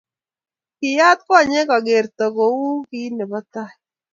Kiyat konyek akokerto kouyo ki nebo tai